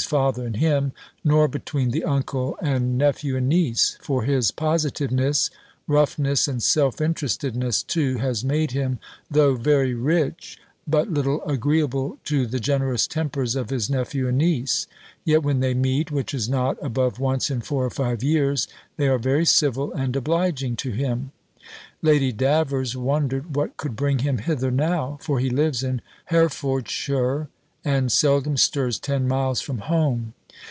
's father and him, nor between the uncle, and nephew and niece: for his positiveness, roughness, and self interestedness too, has made him, though very rich, but little agreeable to the generous tempers of his nephew and niece; yet when they meet, which is not above once in four or five years, they are very civil and obliging to him. Lady Davers wondered what could bring him hither now: for he lives in Herefordshire, and seldom stirs ten miles from home.